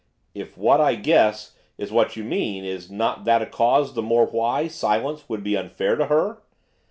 'If what I guess is what you mean is not that a cause the more why silence would be unfair to her?